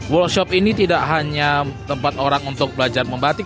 workshop ini tidak hanya tempat orang untuk belajar membatik